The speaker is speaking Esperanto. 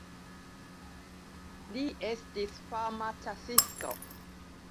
Li estis fama ĉasisto.